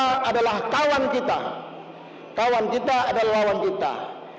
kalau main catur ya teman bermain catur adalah lawan kita dalam bermain catur